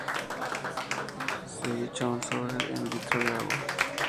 Se echa un sobre en un litro de agua.